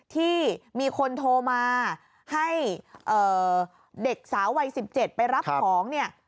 ที่มีคนโทรมาให้เด็กสาววัย๑๗ไปรับของเนี่ย